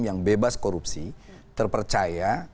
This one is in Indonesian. yang bebas korupsi terpercaya